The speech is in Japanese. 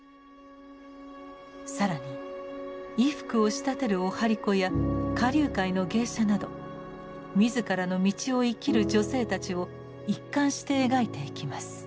更に衣服を仕立てるお針子や花柳界の芸者など自らの道を生きる女性たちを一貫して描いていきます。